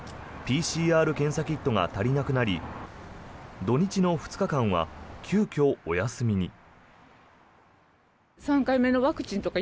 ＰＣＲ検査キットが足りなくなり土日の２日間は急きょ、お休みに。